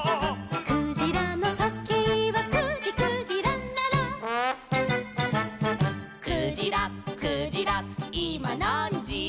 「クジラのとけいは９じ９じららら」「クジラクジラいまなんじ」